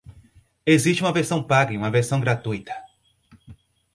Existe uma versão paga e uma versão gratuita.